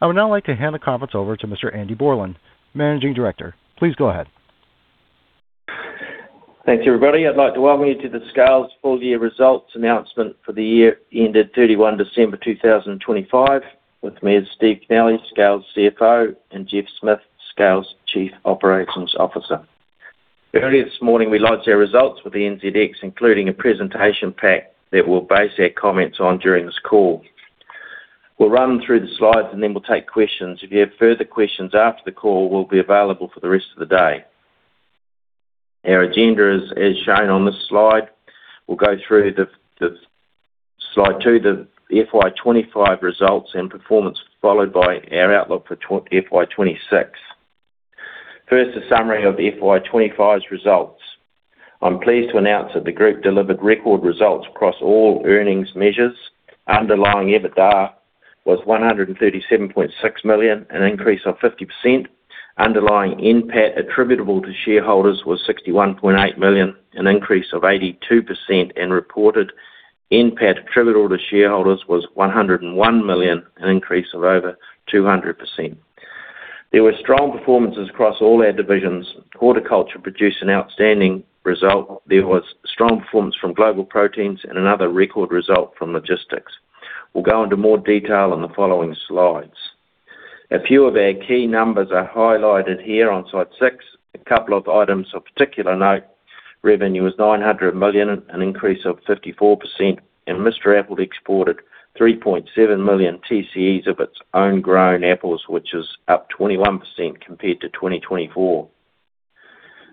I would now like to hand the conference over to Mr. Andy Borland, Managing Director. Please go ahead. Thanks, everybody. I'd like to welcome you to Scales' full year results announcement for the year ended December 31, 2025. With me is Steve Kennelly, Scales' CFO, and Geoff Smith, Scales' Chief Operations Officer. Earlier this morning, we launched our results with the NZX, including a presentation pack that we'll base our comments on during this call. We'll run through the slides, and then we'll take questions. If you have further questions after the call, we'll be available for the rest of the day. Our agenda is as shown on this slide. We'll go through the slide two, the FY 2025 results and performance, followed by our outlook for FY 2026. First, a summary of the FY 2025's results. I'm pleased to announce that the group delivered record results across all earnings measures. Underlying EBITDA was 137.6 million, an increase of 50%. Underlying NPAT attributable to shareholders was 61.8 million, an increase of 82%. Reported NPAT attributable to shareholders was 101 million, an increase of over 200%. There were strong performances across all our divisions. Horticulture produced an outstanding result. There was strong performance from Global Proteins and another record result from Logistics. We'll go into more detail on the following slides. A few of our key numbers are highlighted here on slide six. A couple of items of particular note: revenue is 900 million, an increase of 54%. Mr. Apple exported 3.7 million TCEs of its own grown apples, which is up 21% compared to 2024.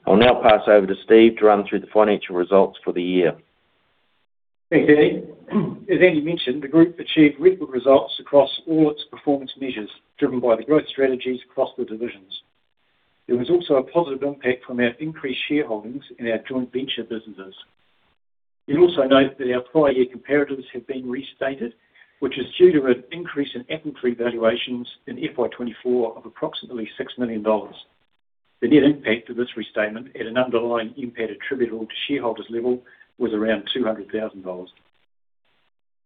I'll now pass over to Steve to run through the financial results for the year. Thanks, Andy. As Andy mentioned, the group achieved record results across all its performance measures, driven by the growth strategies across the divisions. There was also a positive impact from our increased shareholdings in our joint venture businesses. You'll also note that our prior year comparatives have been restated, which is due to an increase in apple tree valuations in FY 2024 of approximately 6 million dollars. The net impact of this restatement at an underlying NPAT attributable to shareholders' level was around 200,000 dollars.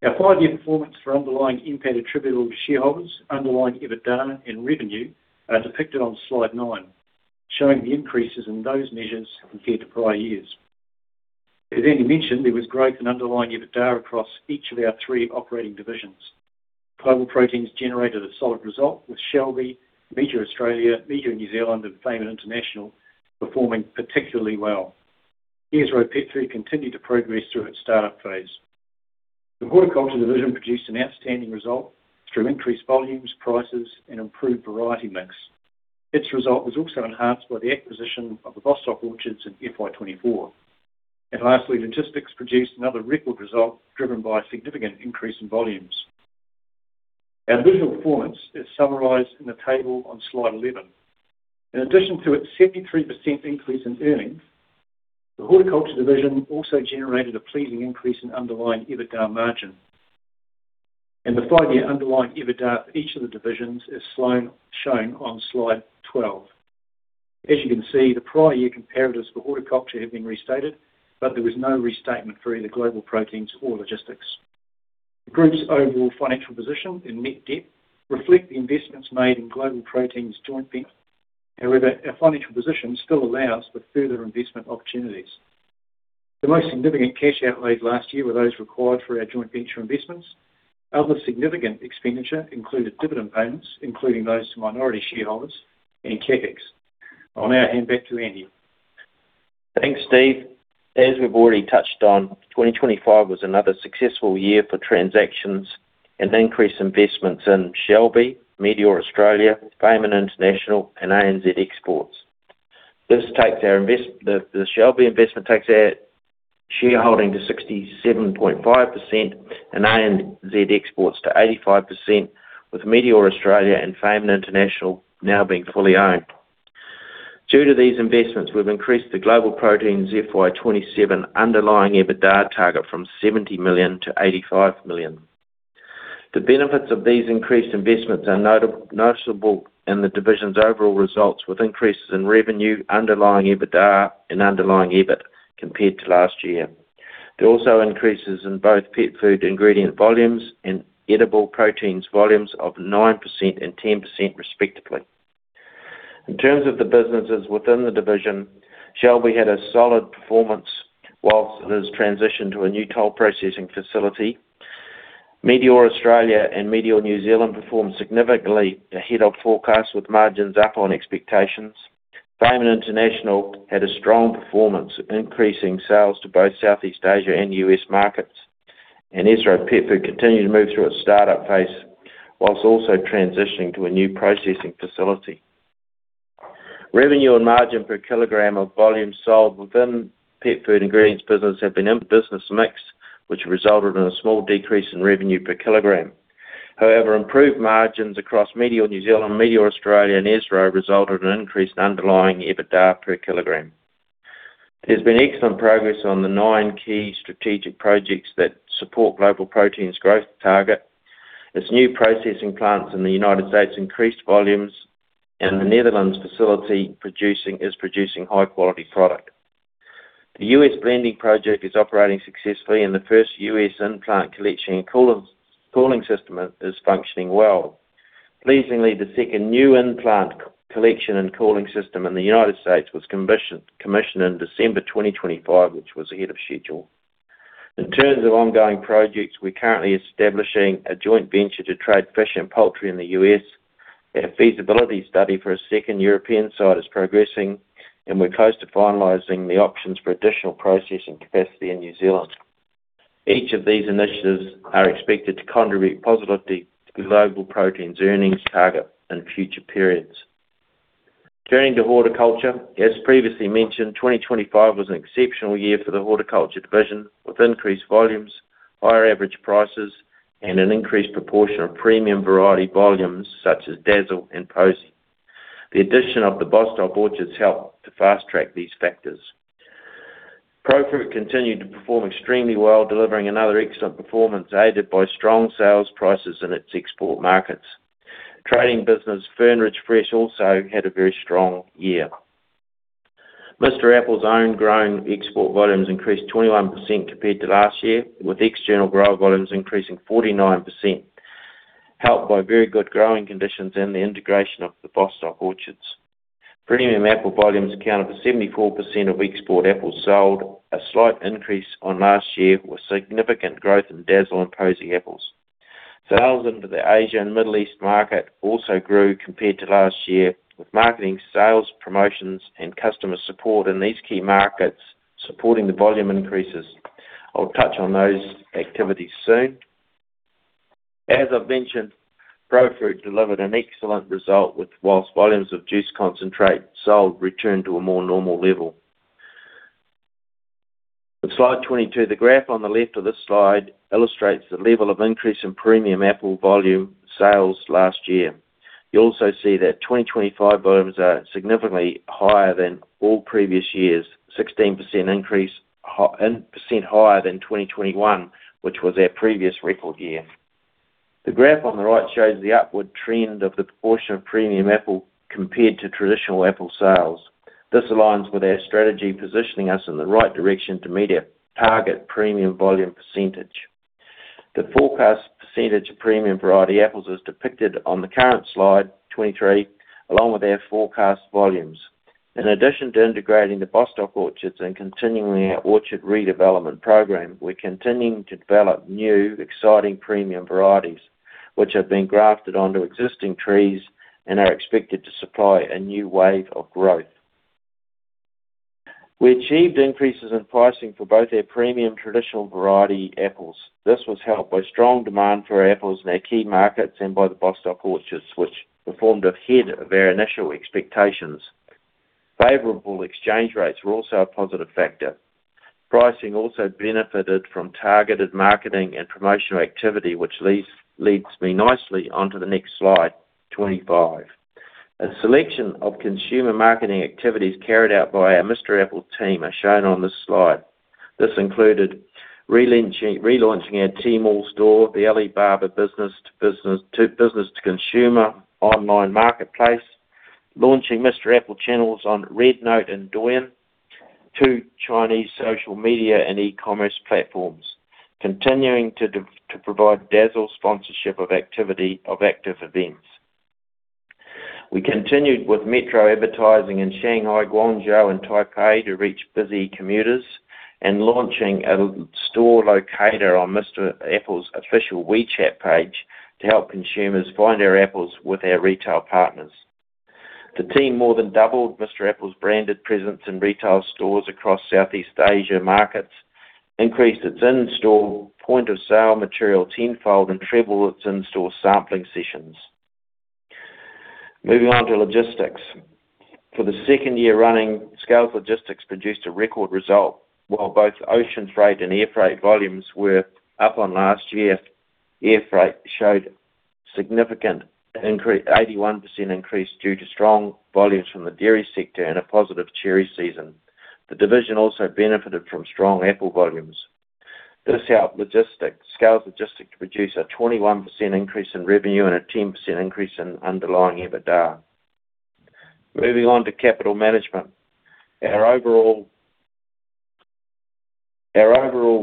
Our five-year performance for Underlying NPAT attributable to shareholders, Underlying EBITDA, and revenue are depicted on slide nine, showing the increases in those measures compared to prior years. As Andy mentioned, there was growth in underlying EBITDA across each of our three operating divisions. Global Proteins generated a solid result, with Shelby, Meateor Australia, Meateor New Zealand, and Fayman International performing particularly well. Esro Petfood continued to progress through its startup phase. The Horticulture division produced an outstanding result through increased volumes, prices, and improved variety mix. Its result was also enhanced by the acquisition of the Bostock orchards in FY 2024. Lastly, Logistics produced another record result, driven by a significant increase in volumes. Our division performance is summarized in the table on slide 11. In addition to its 73% increase in earnings, the Horticulture division also generated a pleasing increase in underlying EBITDA margin. The five-year underlying EBITDA for each of the divisions is shown on slide 12. As you can see, the prior year comparatives for Horticulture have been restated, but there was no restatement for either Global Proteins or Logistics. The group's overall financial position in net debt reflect the investments made in Global Proteins joint vent. However, our financial position still allows for further investment opportunities. The most significant cash outlay last year were those required for our joint venture investments. Other significant expenditure included dividend payments, including those to minority shareholders and CapEx. I'll now hand back to Andy. Thanks, Steve. As we've already touched on, 2025 was another successful year for transactions and increased investments in Shelby, Meateor Australia, Fayman International, and ANZ Exports. This takes the Shelby investment takes our shareholding to 67.5% and ANZ Exports to 85%, with Meateor Australia and Fayman International now being fully owned. Due to these investments, we've increased the Global Proteins FY 2027 underlying EBITDA target from 70 million-85 million. The benefits of these increased investments are noticeable in the division's overall results, with increases in revenue, underlying EBITDA, and underlying EBIT compared to last year. There are also increases in both pet food ingredient volumes and edible proteins volumes of 9% and 10%, respectively. In terms of the businesses within the division, Shelby had a solid performance whilst it has transitioned to a new toll processing facility. Meateor Australia and Meateor New Zealand performed significantly ahead of forecast, with margins up on expectations. Fayman International had a strong performance, increasing sales to both Southeast Asia and U.S. markets, and Esro Petfood continued to move through its startup phase, while also transitioning to a new processing facility. Revenue and margin per kilogram of volume sold within pet food ingredients business have been in business mix, which resulted in a small decrease in revenue per kilogram. However, improved margins across Meateor New Zealand, Meateor Australia, and Esro resulted in an increase in underlying EBITDA per kilogram. There's been excellent progress on the nine key strategic projects that support Global Proteins' growth target. Its new processing plants in the United States increased volumes, and the Netherlands facility is producing high-quality product. The U.S. blending project is operating successfully, and the first U.S. in-plant collection and cooling system is functioning well. Pleasingly, the second new in-plant collection and cooling system in the United States was commissioned in December 2025, which was ahead of schedule. In terms of ongoing projects, we're currently establishing a joint venture to trade fish and poultry in the U.S. Our feasibility study for a second European site is progressing, and we're close to finalizing the options for additional processing capacity in New Zealand. Each of these initiatives are expected to contribute positively to Global Proteins' earnings target in future periods. Turning to horticulture. As previously mentioned, 2025 was an exceptional year for the horticulture division, with increased volumes, higher average prices, and an increased proportion of premium variety volumes such as Dazzle and Posy. The addition of the Bostock orchards helped to fast-track these factors. Profruit continued to perform extremely well, delivering another excellent performance, aided by strong sales prices in its export markets. Trading business, Fern Ridge Fresh, also had a very strong year. Mr. Apple's own growing export volumes increased 21% compared to last year, with external grower volumes increasing 49%, helped by very good growing conditions and the integration of the Bostock orchards. Premium apple volumes accounted for 74% of export apples sold, a slight increase on last year, with significant growth in Dazzle and Posy apples. Sales into the Asia and Middle East market also grew compared to last year, with marketing, sales, promotions, and customer support in these key markets supporting the volume increases. I'll touch on those activities soon. As I've mentioned, Profruit delivered an excellent result, whilst volumes of juice concentrate sold returned to a more normal level. On slide 22, the graph on the left of this slide illustrates the level of increase in premium apple volume sales last year. You'll also see that 2025 volumes are significantly higher than all previous years, 16% increase, percent higher than 2021, which was our previous record year. The graph on the right shows the upward trend of the proportion of premium apple compared to traditional apple sales. This aligns with our strategy, positioning us in the right direction to meet our target premium volume percentage. The forecast percentage of premium variety apples is depicted on the current slide, 23, along with our forecast volumes. In addition to integrating the Bostock orchards and continuing our orchard redevelopment program, we're continuing to develop new, exciting premium varieties, which have been grafted onto existing trees and are expected to supply a new wave of growth. We achieved increases in pricing for both our premium traditional variety apples. This was helped by strong demand for our apples in our key markets and by the Bostock orchards, which performed ahead of our initial expectations. Favorable exchange rates were also a positive factor. Pricing also benefited from targeted marketing and promotional activity, which leads me nicely onto the next slide, 25. A selection of consumer marketing activities carried out by our Mr. Apple team are shown on this slide. This included relaunching our Tmall store, the Alibaba business-to-business, to business-to-consumer online marketplace, launching Mr. Apple channels on Red Note and Douyin, two Chinese social media and e-commerce platforms, continuing to provide Dazzle sponsorship of activity, of active events. We continued with metro advertising in Shanghai, Guangzhou, and Taipei to reach busy commuters, and launching a store locator on Mr. Apple's official WeChat page to help consumers find our apples with our retail partners. The team more than doubled Mr. Apple's branded presence in retail stores across Southeast Asia markets, increased its in-store point-of-sale material tenfold, and tripled its in-store sampling sessions. Moving on to logistics. For the second year running, Scales Logistics produced a record result, while both ocean freight and air freight volumes were up on last year. Air freight showed significant increase, 81% increase, due to strong volumes from the dairy sector and a positive cherry season. The division also benefited from strong apple volumes. This helped Scales Logistics produce a 21% increase in revenue and a 10% increase in underlying EBITDA. Moving on to capital management. Our overall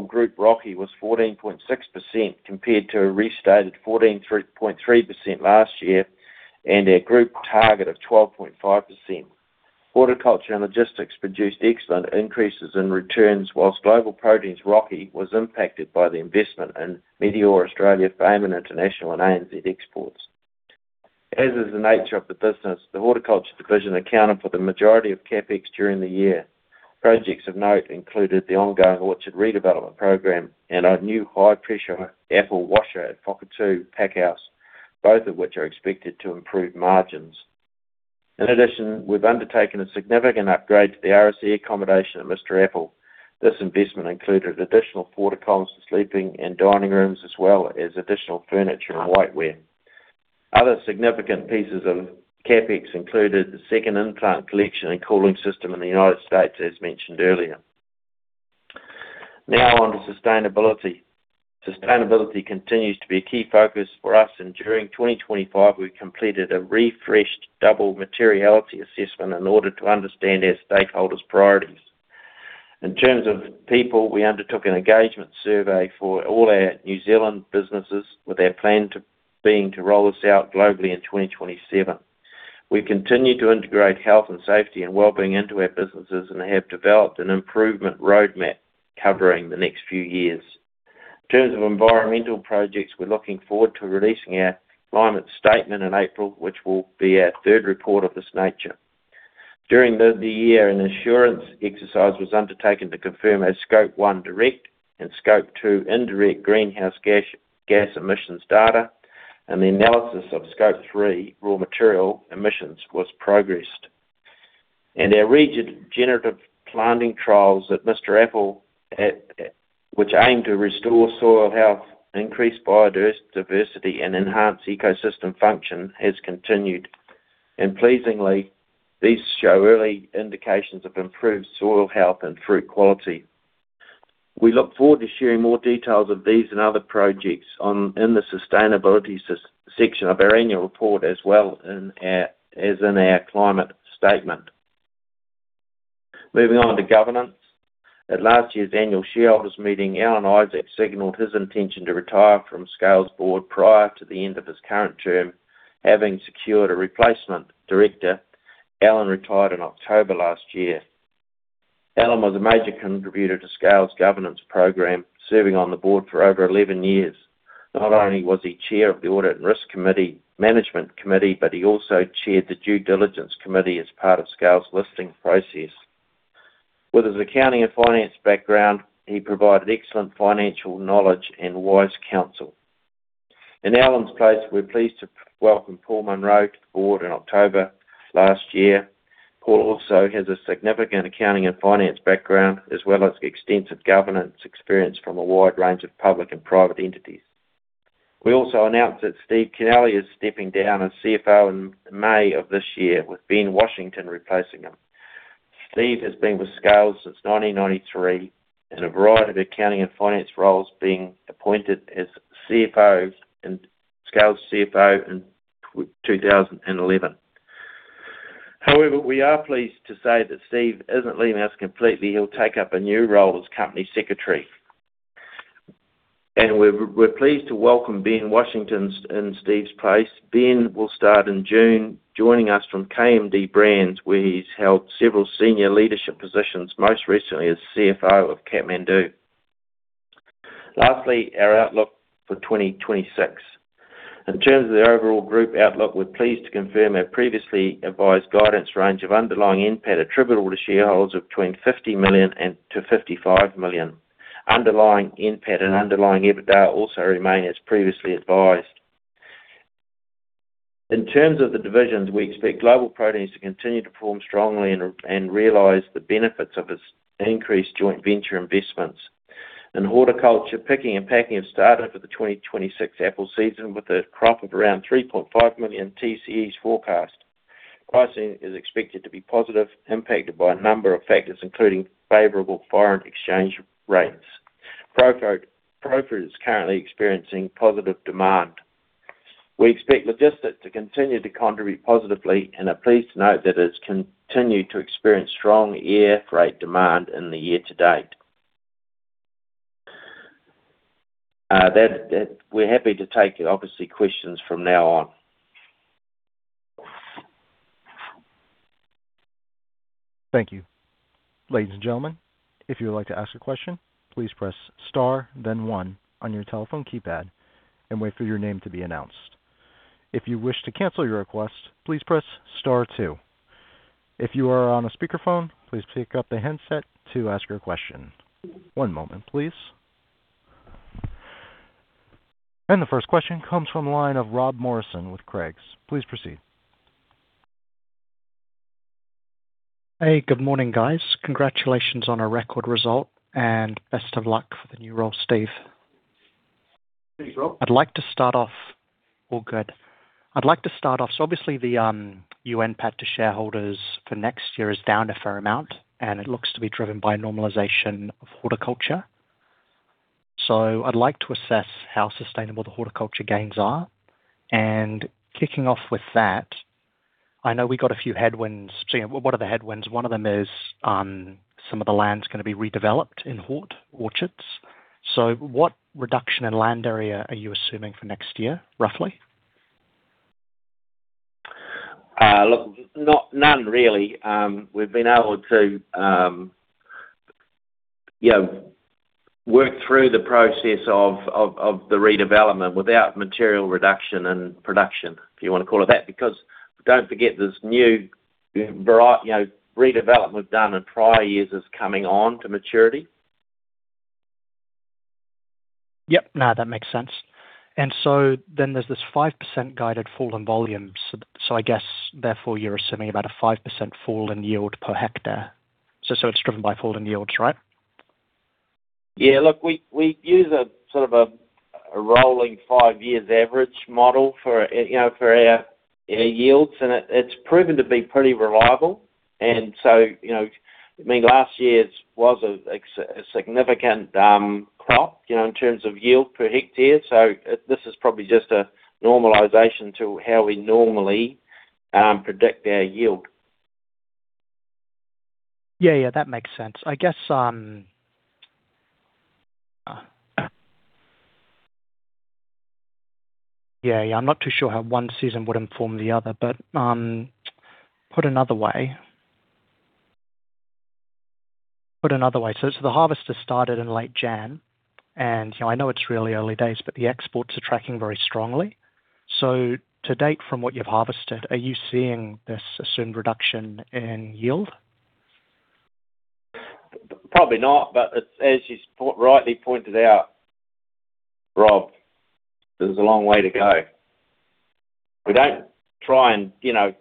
group ROCE was 14.6%, compared to a restated 14.3% last year and our group target of 12.5%. Horticulture and Logistics produced excellent increases in returns, whilst Global Proteins' ROCE was impacted by the investment in Meateor Australia, Fayman International, and ANZ Exports. As is the nature of the business, the horticulture division accounted for the majority of CapEx during the year. Projects of note included the ongoing orchard redevelopment program and our new high-pressure apple washer at Pukekohe Packhouse, both of which are expected to improve margins. We've undertaken a significant upgrade to the RSE accommodation at Mr. Apple. This investment included additional Portacom to sleeping and dining rooms, as well as additional furniture and whiteware. Other significant pieces of CapEx included the second in-plant collection and cooling system in the United States, as mentioned earlier. On to sustainability. Sustainability continues to be a key focus for us. During 2025, we completed a refreshed double materiality assessment in order to understand our stakeholders' priorities. In terms of people, we undertook an engagement survey for all our New Zealand businesses, with our plan to roll this out globally in 2027. We continue to integrate health and safety and wellbeing into our businesses and have developed an improvement roadmap covering the next few years. In terms of environmental projects, we're looking forward to releasing our climate statement in April, which will be our third report of this nature. During the year, an assurance exercise was undertaken to confirm our Scope 1 direct and Scope 2 indirect greenhouse gas emissions data, the analysis of Scope 3 raw material emissions was progressed. Our regenerative planning trials at Mr. Apple, which aim to restore soil health, increase biodiversity, and enhance ecosystem function, has continued. Pleasingly, these show early indications of improved soil health and fruit quality. We look forward to sharing more details of these and other projects in the sustainability section of our annual report, as in our climate statement. Moving on to governance. At last year's annual shareholders meeting, Alan Isaac signaled his intention to retire from Scales' board prior to the end of his current term. Having secured a replacement director, Alan retired in October last year. Alan was a major contributor to Scales' governance program, serving on the board for over 11 years. Not only was he chair of the Audit and Risk Committee, Management Committee, but he also chaired the Due Diligence Committee as part of Scales' listing process. With his accounting and finance background, he provided excellent financial knowledge and wise counsel. In Alan's place, we're pleased to welcome Paul Munro to the board in October last year. Paul also has a significant accounting and finance background, as well as extensive governance experience from a wide range of public and private entities. We also announced that Steve Kennelly is stepping down as CFO in May of this year, with Ben Washington replacing him. Steve has been with Scales since 1993 in a variety of accounting and finance roles, being appointed as Scales' CFO in 2011. However, we are pleased to say that Steve isn't leaving us completely. He'll take up a new role as company secretary. We're pleased to welcome Ben Washington in Steve's place. Ben will start in June, joining us from KMD Brands, where he's held several senior leadership positions, most recently as CFO of Kathmandu. Lastly, our outlook for 2026. In terms of the overall group outlook, we're pleased to confirm our previously advised guidance range of underlying NPAT attributable to shareholders of between 50 million and 55 million. Underlying NPAT and underlying EBITDA also remain as previously advised. In terms of the divisions, we expect Global Proteins to continue to perform strongly and realize the benefits of its increased joint venture investments. In horticulture, picking and packing have started for the 2026 apple season, with a crop of around 3.5 million TCEs forecast. Pricing is expected to be positive, impacted by a number of factors, including favorable foreign exchange rates. Profruit is currently experiencing positive demand. We expect Logistics to continue to contribute positively and are pleased to note that it's continued to experience strong air freight demand in the year-to-date. We're happy to take, obviously, questions from now on. Thank you. Ladies and gentlemen, if you would like to ask a question, please press star, then one on your telephone keypad and wait for your name to be announced. If you wish to cancel your request, please press star two. If you are on a speakerphone, please pick up the handset to ask your question. One moment, please. The first question comes from the line of Rob Morrison with Craigs. Please proceed. Hey, good morning, guys. Congratulations on a record result. Best of luck for the new role, Steve. Thanks, Rob. I'd like to start off. All good. I'd like to start off. Obviously the UN NPAT to shareholders for next year is down a fair amount, and it looks to be driven by normalization of horticulture. I'd like to assess how sustainable the horticulture gains are. Kicking off with that, I know we got a few headwinds. What are the headwinds? One of them is, some of the land's gonna be redeveloped in orchards. What reduction in land area are you assuming for next year, roughly? Look, not, none, really. We've been able to, you know, work through the process of the redevelopment without material reduction and production, if you wanna call it that, because don't forget this new, you know, redevelopment done in prior years is coming on to maturity. Yep. No, that makes sense. There's this 5% guided fall in volume. I guess therefore, you're assuming about a 5% fall in yield per hectare. It's driven by fall in yields, right? Yeah, look, we use a sort of a rolling five years average model for, you know, for our yields, and it's proven to be pretty reliable. You know, I mean, last year's was a significant crop, you know, in terms of yield per hectare. This is probably just a normalization to how we normally predict our yield. Yeah, yeah, that makes sense. I guess, yeah, I'm not too sure how one season would inform the other, but, put another way, so the harvest has started in late January, and, you know, I know it's really early days, but the exports are tracking very strongly. To date, from what you've harvested, are you seeing this assumed reduction in yield? Probably not, but as you rightly pointed out, Rob, there's a long way to go. We don't try and, you know,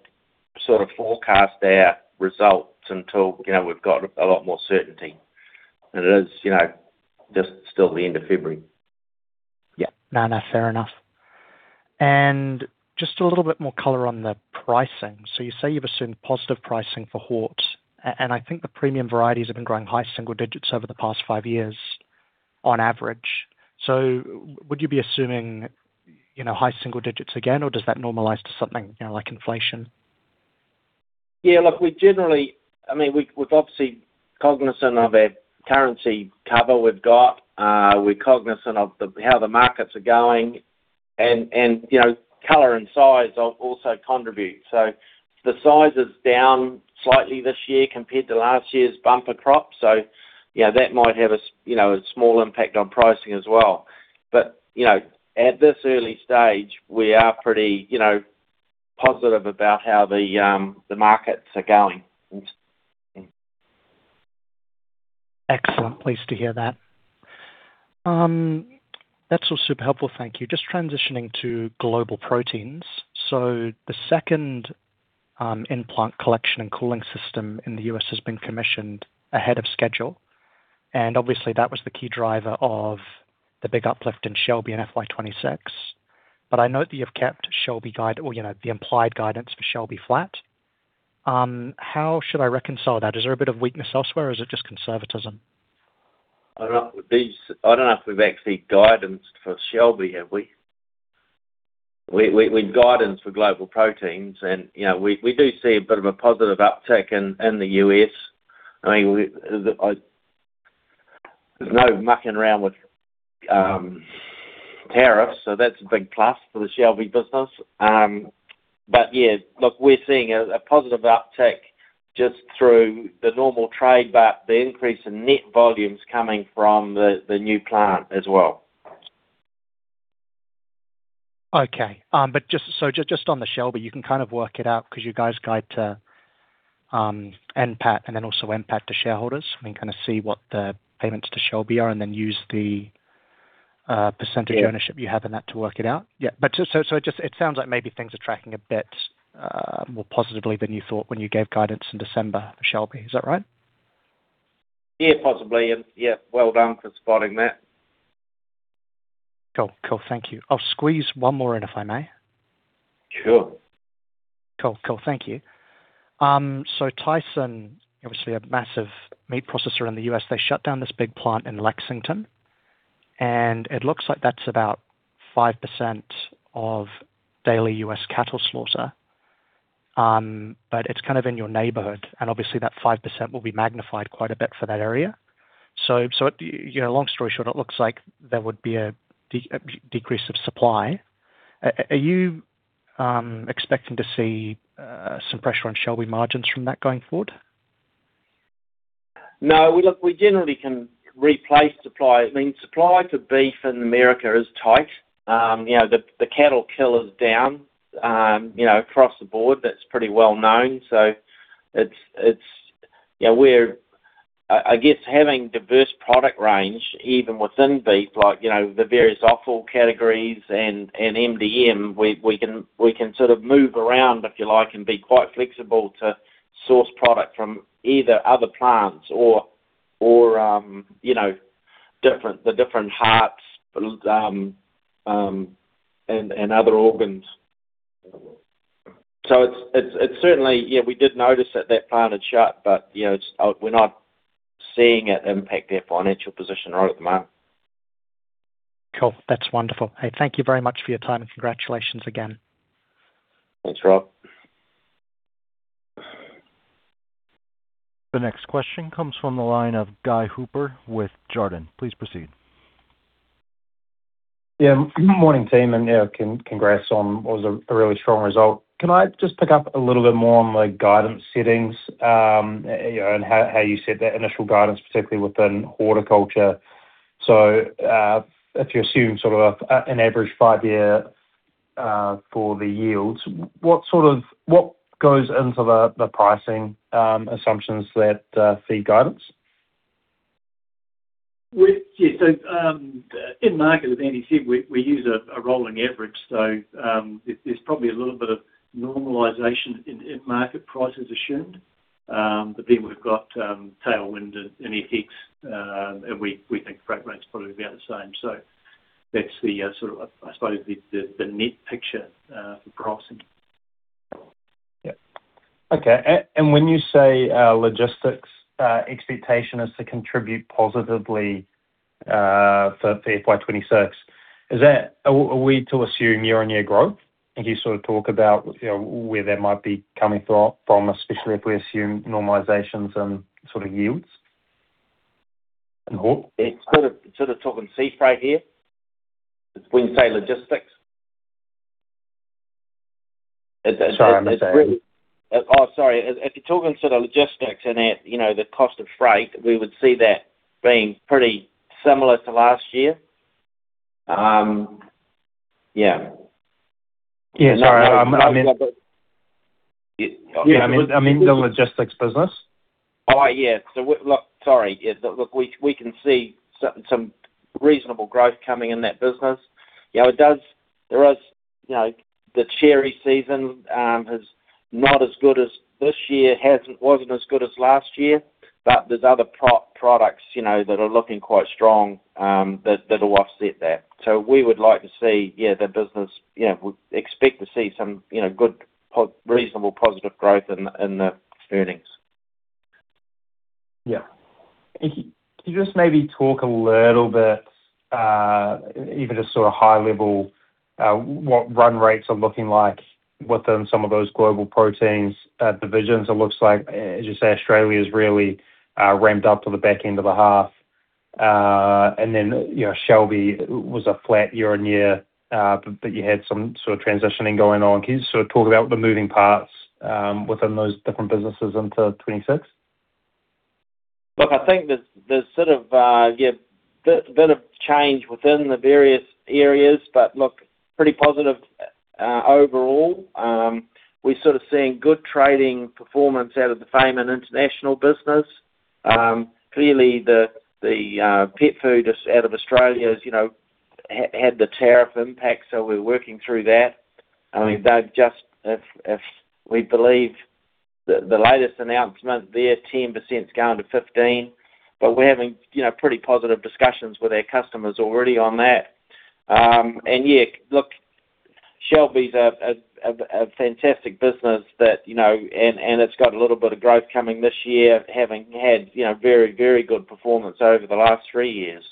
sort of forecast our results until, you know, we've got a lot more certainty. It is, you know, just still the end of February. Yeah. No, no, fair enough. Just a little bit more color on the pricing. So you say you've assumed positive pricing for hort, and I think the premium varieties have been growing high single digits over the past five years on average. So would you be assuming, you know, high single digits again, or does that normalize to something, you know, like inflation? Yeah, look, we've obviously cognizant of our currency cover we've got, we're cognizant of the, how the markets are going and, you know, color and size also contribute. The size is down slightly this year compared to last year's bumper crop, so, yeah, that might have, you know, a small impact on pricing as well. You know, at this early stage, we are pretty, you know, positive about how the markets are going. Excellent. Pleased to hear that. That's all super helpful. Thank you. Just transitioning to Global Proteins. The second in-plant collection and cooling system in the U.S. has been commissioned ahead of schedule, and obviously that was the key driver of the big uplift in Shelby in FY 2026. I note that you've kept Shelby guide or, you know, the implied guidance for Shelby flat. How should I reconcile that? Is there a bit of weakness elsewhere, or is it just conservatism? I don't know if we've actually guidance for Shelby, have we? We've guidance for Global Proteins, and, you know, we do see a bit of a positive uptick in the U.S. I mean, we. There's no mucking around with tariffs, so that's a big plus for the Shelby business. Yeah, look, we're seeing a positive uptick just through the normal trade, but the increase in net volumes coming from the new plant as well. Just on the Shelby, you can kind of work it out because you guys guide to NPAT, and then also NPAT to shareholders. I mean, kind of see what the payments to Shelby are and then use the percentage... Yeah... ownership you have in that to work it out. Just it sounds like maybe things are tracking a bit more positively than you thought when you gave guidance in December for Shelby. Is that right? Yeah, possibly. Yeah, well done for spotting that. Cool. Cool. Thank you. I'll squeeze one more in, if I may? Sure. Cool, cool. Thank you. Tyson, obviously a massive meat processor in the U.S., they shut down this big plant in Lexington, and it looks like that's about 5% of daily U.S. cattle slaughter. It's kind of in your neighborhood, and obviously, that 5% will be magnified quite a bit for that area. You know, long story short, it looks like there would be a decrease of supply. Are you expecting to see some pressure on Shelby margins from that going forward? No. We, look, we generally can replace supply. I mean, supply for beef in America is tight. you know, the cattle kill is down, you know, across the board, that's pretty well known. it's, you know, we're, I guess having diverse product range, even within beef, like, you know, the various offal categories and MDM, we can, we can sort of move around, if you like, and be quite flexible to source product from either other plants or, you know, the different hearts, and other organs. it's, it's certainly, yeah, we did notice that that plant had shut, but, you know, it's, we're not seeing it impact our financial position right at the moment. Cool. That's wonderful. Hey, thank you very much for your time, and congratulations again. Thanks, Rob. The next question comes from the line of Guy Hooper with Jarden. Please proceed. Good morning, team, congrats on what was a really strong result. Can I just pick up a little bit more on the guidance settings, you know, and how you set that initial guidance, particularly within horticulture? If you assume sort of an average five-year for the yields, what sort of, what goes into the pricing assumptions that feed guidance? Yeah, in market, as Andy said, we use a rolling average, there's probably a little bit of normalization in market prices assumed. We've got tailwind and FX, and we think freight rate's probably about the same. That's the sort of, I suppose, the net picture for pricing. Yep. Okay, when you say, logistics, expectation is to contribute positively, for FY 2026, is that, are we to assume year-on-year growth? Can you sort of talk about, you know, where that might be coming from, especially if we assume normalizations in sort of yields? It's sort of talking sea freight here, when we say logistics. Sorry, I'm missing. Sorry. If you're talking sort of logistics and at, you know, the cost of freight, we would see that being pretty similar to last year. Yeah, sorry. Yeah. I meant, I mean the logistics business. Yeah, we can see some reasonable growth coming in that business. You know, there is, you know, the cherry season is not as good as this year wasn't as good as last year, but there's other products, you know, that are looking quite strong, that'll offset that. We would like to see, yeah, the business. You know, we expect to see some, you know, good, reasonable, positive growth in the earnings. Yeah. Can you just maybe talk a little bit, even just sort of high level, what run rates are looking like within some of those Global Proteins divisions? It looks like, as you say, Australia's really ramped up to the back end of the half. You know, Shelby was a flat year-on-year, but you had some sort of transitioning going on. Can you sort of talk about the moving parts within those different businesses into 2026? I think there's sort of a, yeah, bit of change within the various areas, but pretty positive overall. We're sort of seeing good trading performance out of the Fayman International business. Clearly, the pet food is out of Australia, has, you know, had the tariff impact, so we're working through that. I mean, they've just... If we believe the latest announcement there, 10%'s going to 15%, but we're having, you know, pretty positive discussions with our customers already on that. Yeah, Shelby's a fantastic business that, you know, and it's got a little bit of growth coming this year, having had, you know, very, very good performance over the last three years.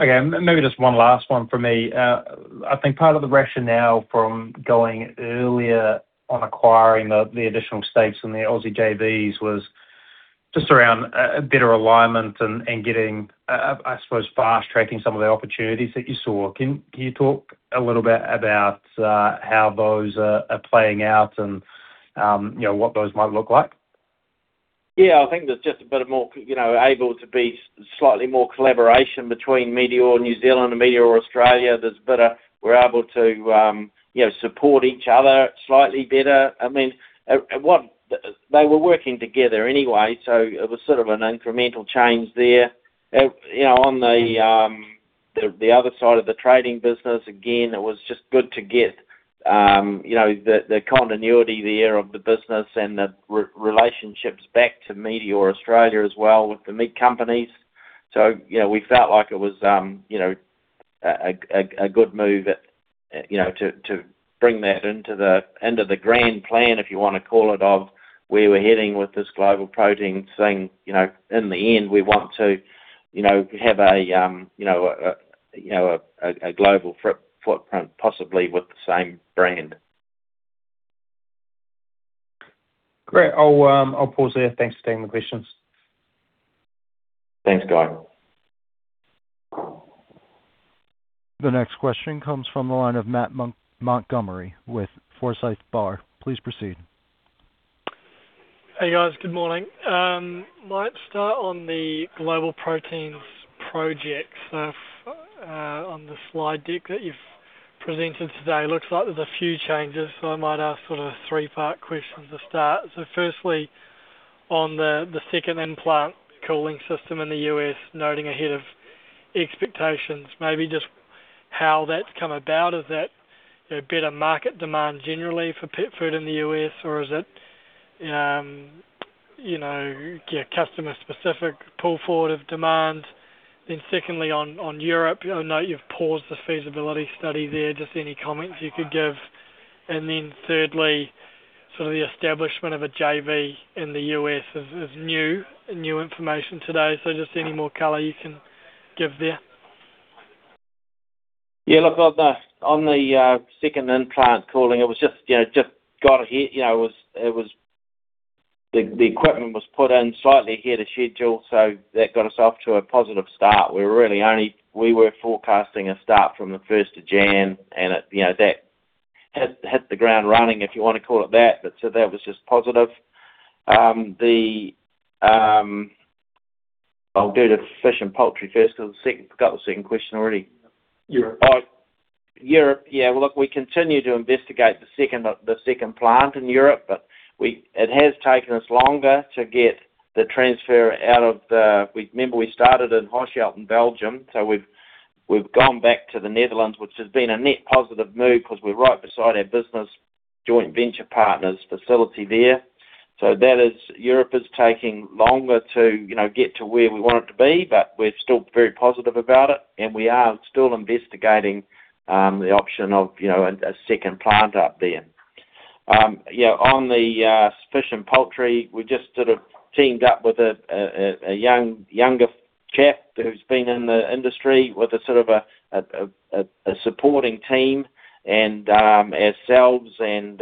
Okay, maybe just one last one from me. I think part of the rationale from going earlier on acquiring the additional stakes in the Aussie JVs was just around a better alignment and getting, I suppose, fast-tracking some of the opportunities that you saw. Can you talk a little bit about how those are playing out and, you know, what those might look like? Yeah, I think there's just a bit of more, you know, able to be slightly more collaboration between Meateor New Zealand and Meateor Australia. We're able to, you know, support each other slightly better. I mean, they were working together anyway, so it was sort of an incremental change there. On the other side of the trading business, again, it was just good to get, you know, the continuity there of the business and the relationships back to Meateor Australia as well with the meat companies. You know, we felt like it was, you know, a good move, you know, to bring that into the grand plan, if you wanna call it, of where we're heading with this Global Proteins thing. You know, in the end, we want to, you know, have a, you know, a, you know, a global footprint, possibly with the same brand. Great. I'll pause there. Thanks for taking the questions. Thanks, Guy. The next question comes from the line of Matt Montgomerie with Forsyth Barr. Please proceed. Hey, guys. Good morning. Might start on the Global Proteins project. On the slide deck that you've presented today, looks like there's a few changes, I might ask sort of a three-part question to start. Firstly, on the second in-plant cooling system in the U.S., noting ahead of expectations, maybe just how that's come about? Is that a better market demand generally for pet food in the U.S., or is it, customer-specific pull forward of demand? Secondly, on Europe, I know you've paused the feasibility study there, just any comments you could give? Thirdly, sort of the establishment of a JV in the U.S. is new information today, just any more color you can give there? Look, on the second implant cooling, it was just, you know, just got hit, you know. It was. The equipment was put in slightly ahead of schedule, so that got us off to a positive start. We were forecasting a start from the 1st of January, and it, you know, that hit the ground running, if you want to call it that. That was just positive. I'll do the fish and poultry first, because the second, forgot the second question already. Europe. Well, look, we continue to investigate the second, the second plant in Europe, but it has taken us longer to get the transfer. We remember we started in Hasselt, in Belgium, so we've gone back to the Netherlands, which has been a net positive move because we're right beside our business joint venture partners facility there. That is, Europe is taking longer to, you know, get to where we want it to be, but we're still very positive about it. We are still investigating the option of, you know, a second plant up there. On the fish and poultry, we just sort of teamed up with a young chap who's been in the industry with a supporting team, and ourselves and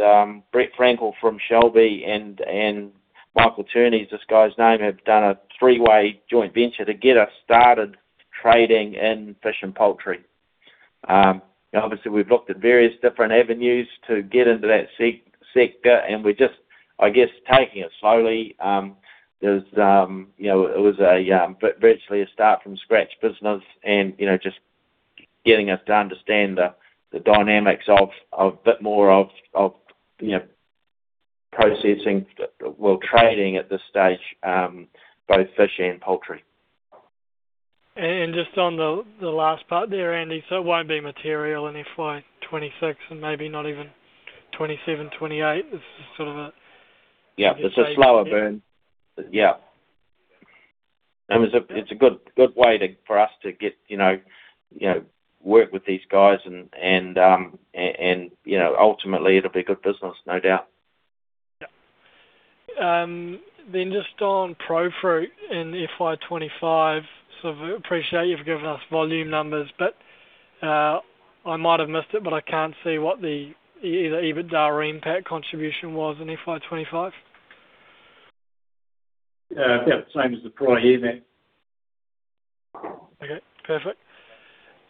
Brett Frankel from Shelby and [Michael Turney], is this guy's name, have done a three-way joint venture to get us started trading in fish and poultry. Obviously, we've looked at various different avenues to get into that sector, and we're just, I guess, taking it slowly. There's, you know, it was virtually a start from scratch business and, you know, just getting us to understand the dynamics of a bit more of, you know, processing, well, trading at this stage, both fish and poultry. Just on the last part there, Andy, so it won't be material in FY 2026 and maybe not even 2027, 2028. It's just sort of. Yeah, it's a slower burn. Yeah. It's a good way to, for us to get, you know, you know, work with these guys and, you know, ultimately, it'll be good business, no doubt. Yeah. Just on Profruit in FY 2025, appreciate you for giving us volume numbers, but I might have missed it, but I can't see what the either EBITDA or impact contribution was in FY 2025. Yeah, about the same as the prior year, Matt. Okay, perfect.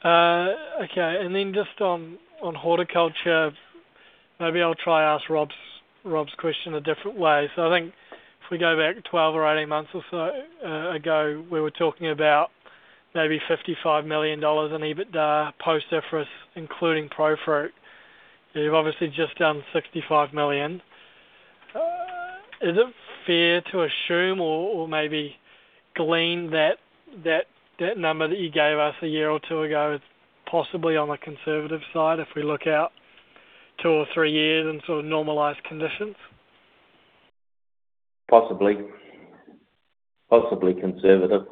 Okay, and then just on horticulture, maybe I'll try to ask Rob's question a different way. I think if we go back 12 or 18 months or so ago, we were talking about maybe 55 million dollars in EBITDA post-efforts, including Profruit. You've obviously just done 65 million. Is it fair to assume or maybe glean that number that you gave us a year or two ago is possibly on the conservative side, if we look out two or three years in sort of normalized conditions? Possibly. Possibly conservative.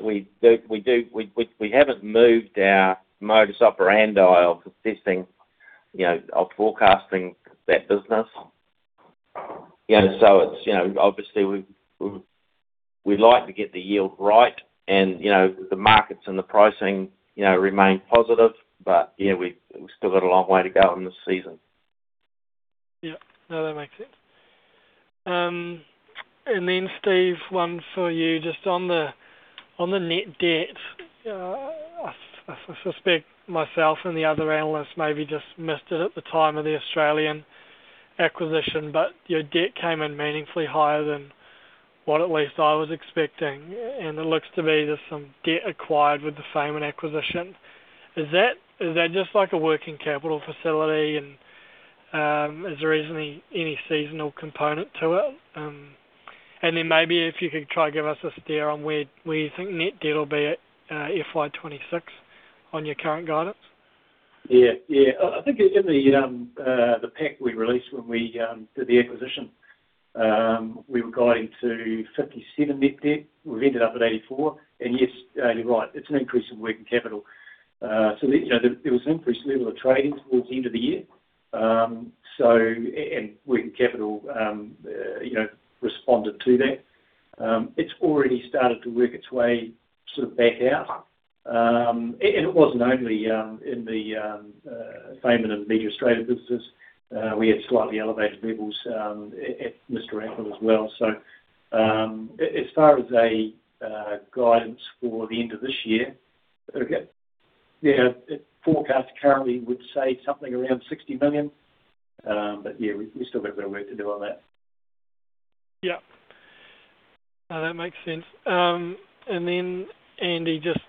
We do, we haven't moved our modus operandi of assessing, you know, of forecasting that business. You know, it's, you know, obviously, we'd like to get the yield right, and, you know, the markets and the pricing, you know, remain positive. Yeah, we've still got a long way to go in the season. Yeah. No, that makes sense. Then, Steve, one for you, just on the net debt. I suspect myself and the other analysts maybe just missed it at the time of the Australian acquisition, but your debt came in meaningfully higher than what at least I was expecting. It looks to me there's some debt acquired with the Fayman acquisition. Is that just like a working capital facility, and is there any seasonal component to it? Then maybe if you could try to give us a steer on where you think net debt will be at FY 2026 on your current guidance? Yeah, yeah. I think in the pack we released when we did the acquisition, we were guiding to 57 net debt. We've ended up at 84, and yes, you're right, it's an increase in working capital. The, you know, there was an increased level of trading towards the end of the year. Working capital, you know, responded to that. It's already started to work its way sort of back out. It wasn't only in the famous and major Australian businesses. We had slightly elevated levels at Mr. Apple as well. As far as guidance for the end of this year, Yeah, the forecast currently would say something around 60 million. Yeah, we still got a bit of work to do on that. Yeah. That makes sense. Andy, just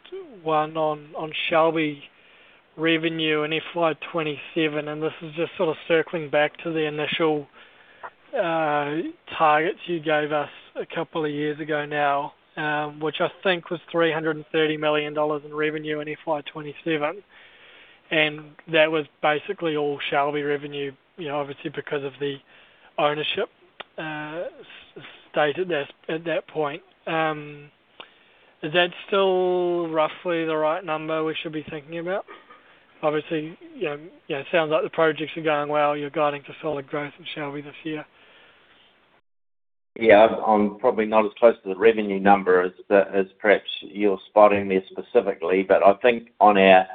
one on Shelby revenue in FY 2027, and this is just sort of circling back to the initial targets you gave us a couple of years ago now, which I think was $330 million in revenue in FY 2027. That was basically all Shelby revenue, you know, obviously, because of the ownership, stated at that point. Is that still roughly the right number we should be thinking about? Obviously, you know, yeah, it sounds like the projects are going well. You're guiding for solid growth in Shelby this year. Yeah, I'm probably not as close to the revenue number as perhaps you're spotting there specifically, but I think on our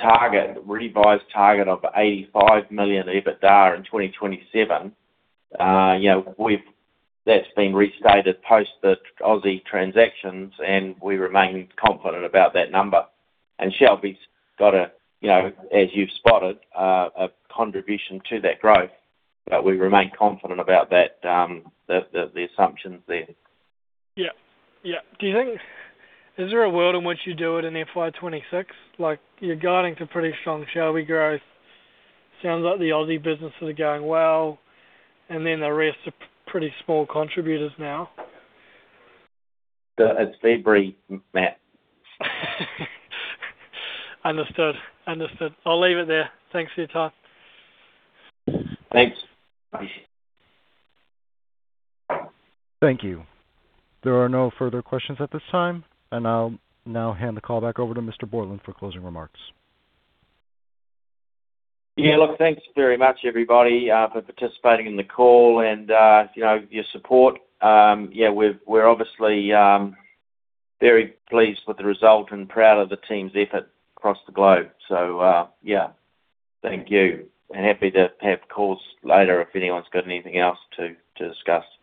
target, revised target of 85 million EBITDA in 2027, you know, that's been restated post the Aussie transactions, and we remain confident about that number. Shelby's got a, you know, as you've spotted, a contribution to that growth, but we remain confident about that, the assumptions there. Yeah. Yeah. Is there a world in which you do it in FY 2026? Like, you're guiding to pretty strong Shelby growth. Sounds like the Aussie businesses are going well, and then the rest are pretty small contributors now. It's very Matt. Understood. I'll leave it there. Thanks for your time. Thanks. Bye. Thank you. There are no further questions at this time, and I'll now hand the call back over to Mr. Boylan for closing remarks. Yeah, look, thanks very much, everybody, for participating in the call and, you know, your support. Yeah, we're obviously very pleased with the result and proud of the team's effort across the globe. Yeah, thank you, and happy to have calls later if anyone's got anything else to discuss. Thank you.